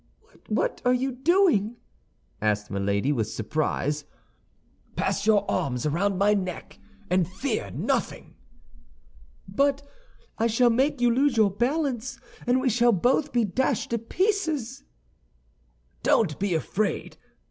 "What are you doing?" asked Milady, with surprise. "Pass your arms around my neck, and fear nothing." "But I shall make you lose your balance, and we shall both be dashed to pieces." "Don't be afraid.